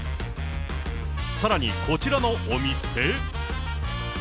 さらにこちらのお店。